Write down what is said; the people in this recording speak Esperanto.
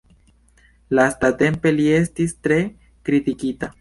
Lastatempe li estis tre kritikita.